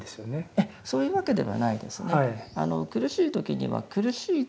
ええそういうわけではないですね。